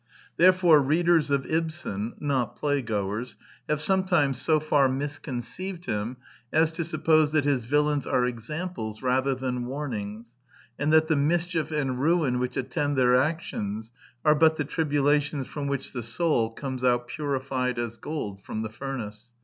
Therefore readers of Ibsen — not playgoers — have sometimes so far misconceived him as to suppose that his villains are examples rather than warnings, and that the mischief and ruin which attend their actions are but the tribulations from which the soul comes out purified as gold from the furnace.